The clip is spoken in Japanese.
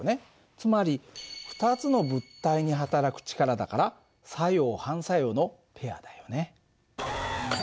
つまり２つの物体にはたらく力だから作用・反作用のペアだよね。